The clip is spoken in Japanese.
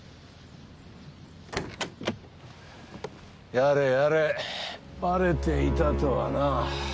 やれやれバレていたとはな。